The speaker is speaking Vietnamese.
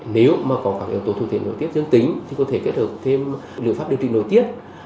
nếu mà có các yếu tố thu thể nội tiết dương tính thì có thể kết hợp thêm liệu pháp điều trị nội tiết